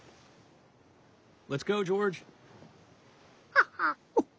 ハハホッ。